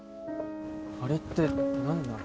あれって何なの？